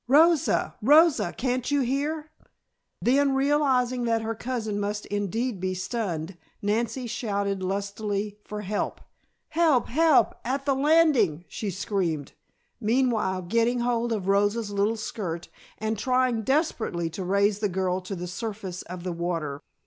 Rosa! Rosa! Can't you hear?" Then, realizing that her cousin must indeed be stunned, Nancy shouted lustily for help. "Help! Help! At the landing!" she screamed, meanwhile getting hold of Rosa's little skirt and trying desperately to raise the girl to the surface of the water.